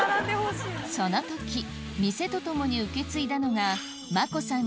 その時店とともに受け継いだのがマコさん